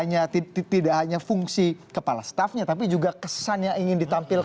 jadi tidak hanya fungsi kepala staffnya tapi juga kesannya ingin ditampilkan